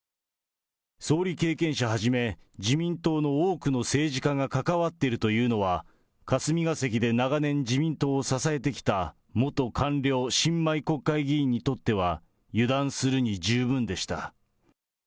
総理経験者はじめ、自民党の多くの政治家が関わっているというのは、霞が関で長年、自民党を支えてきた、元官僚、新米国会議員にとっては、油断するに十分でした。